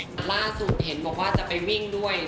แต่ล่าสุดเห็นบอกว่าจะไปวิ่งด้วย